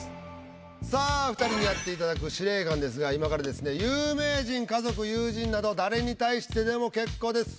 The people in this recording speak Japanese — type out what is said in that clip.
さあ２人にやっていただく司令官ですが今からですね有名人家族友人など誰に対してでも結構です。